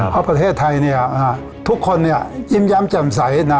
เพราะประเทศไทยทุกคนยิ้มแย้มแจ่มใส